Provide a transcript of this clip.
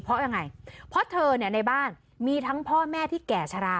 เพราะยังไงเพราะเธอเนี่ยในบ้านมีทั้งพ่อแม่ที่แก่ชะลา